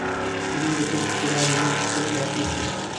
زموږ د کلي ښکلا زموږ په خپلو لاسونو کې ده.